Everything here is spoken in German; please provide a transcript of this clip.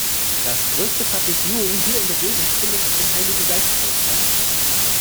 Das größte Public Viewing hier in der Gegend findet auf dem Heiligengeistfeld statt.